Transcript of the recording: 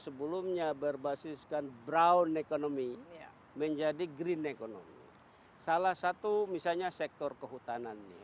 sebelumnya berbasis brown ekonomi menjadi green ekonomi salah satu misalnya sektor kehutanan